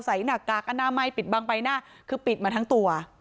หน้ากากอนามัยปิดบังใบหน้าคือปิดมาทั้งตัว